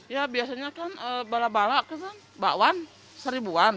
ya biasanya kan bala bala kata kata bakwan seribuan